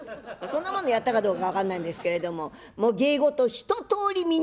そんなものやったかどうか分かんないんですけれどももう芸事一とおり